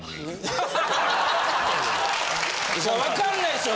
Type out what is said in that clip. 分かんないですよ。